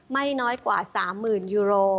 ไม่น้อยกว่า๓๐๐๐ยูโร